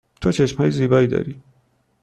تو چشم های زیبایی داری.